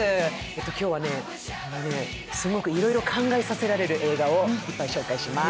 今日はすごくいろいろ考えさせられる映画をご紹介します。